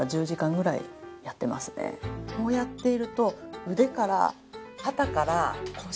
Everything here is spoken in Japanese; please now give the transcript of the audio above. こうやっていると。